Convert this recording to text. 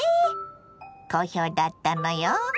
好評だったのよ。